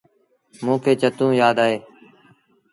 موݩ کي چتو يآد اهي۔